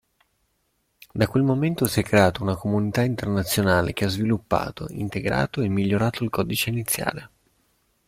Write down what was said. Da quel momento si è creata una comunità internazionale che ha sviluppato, integrato e migliorato il codice iniziale.